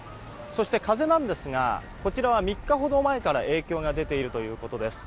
そして風なんですがこちらは３日ほど前から影響が出ているということです。